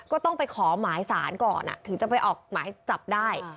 ก็ต้องไปขอหมายสารก่อนถึงจะไปออกหมายจับได้